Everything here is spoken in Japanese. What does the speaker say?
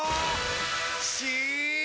し！